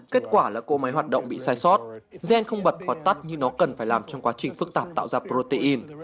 kết quả là cỗ máy hoạt động bị sai sót gen không bật hoặc tắt nhưng nó cần phải làm trong quá trình phức tạp tạo ra protein